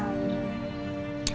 aku mau pergi kerja